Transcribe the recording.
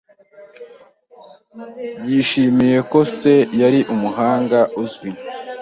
Yishimiye ko se yari umuhanga uzwi.